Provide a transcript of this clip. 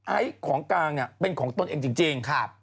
ไอ้ของกลางเป็นของตนเองจริง